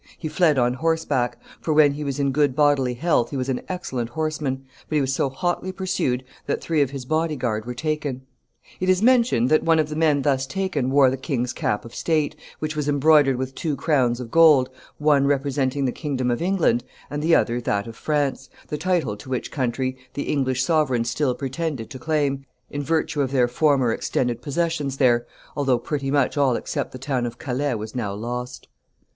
He fled on horseback for when he was in good bodily health he was an excellent horseman but he was so hotly pursued that three of his body guard were taken. It is mentioned that one of the men thus taken wore the king's cap of state, which was embroidered with two crowns of gold, one representing the kingdom of England and the other that of France, the title to which country the English sovereigns still pretended to claim, in virtue of their former extended possessions there, although pretty much all except the town of Calais was now lost.